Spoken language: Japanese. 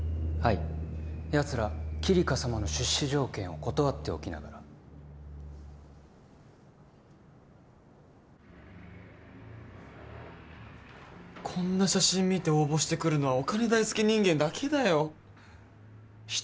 いやつらキリカ様の出資条件を断っておきながらこんな写真見て応募してくるのはお金大好き人間だけだよ人